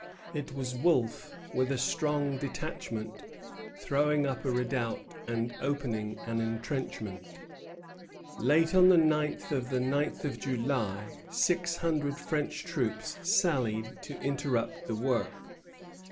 It was Wolfe, with a strong detachment, throwing up a redoubt and opening an entrenchment. Late on the night of the ninth of July six hundred French troops sallied to interrupt the work.